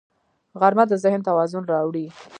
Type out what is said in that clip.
غرمه د ذهن توازن راوړي